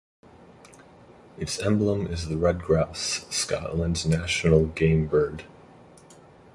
Its emblem is the Red Grouse, Scotland's national game bird.